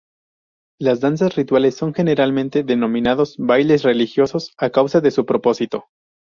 Las danzas rituales son generalmente denominados "bailes religiosos", a causa de su propósito.